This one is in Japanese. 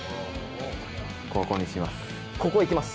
ここにします。